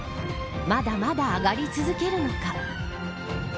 まだまだ上がり続けるのか。